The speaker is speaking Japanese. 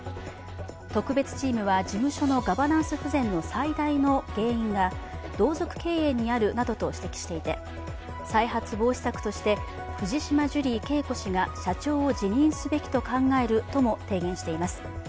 特別チームは事務所のガバナンス不全の最大の原因は同族経営にあるなどと指摘していて再発防止策として藤島ジュリー景子氏が社長を辞任すべきだと考えるとも提言しています。